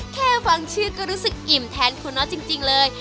แค่ฟังชื่อก็รู้สึกอิ่มแทนคุณน็อตจริงเลย